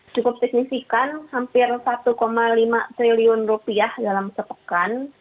cukup signifikan hampir rp satu lima triliun dalam sepekan